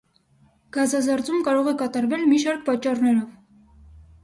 Գազազերծում կարող է կատարվել մի շարք պատճառներով։